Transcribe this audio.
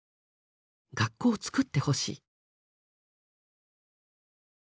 「学校をつくってほしい」。